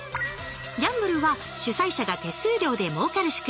ギャンブルは主催者が手数料でもうかる仕組み。